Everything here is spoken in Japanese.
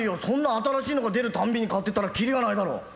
そんな新しいのが出るたんびに買ってたら切りがないだろ。